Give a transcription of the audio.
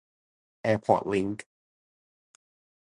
แอร์พอร์ตลิงก์